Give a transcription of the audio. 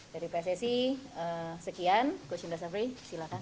dari pssi sekian coach indra safri silakan